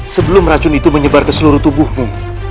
sebelum racun itu menyebar ke seluruh tubuhmu